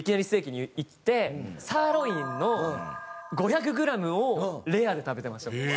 ステーキに行ってサーロインの５００グラムをレアで食べてました。